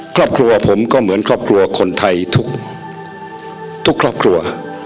ครอบครัวผมก็เหมือนครอบครัวคนไทยทุกครอบครัว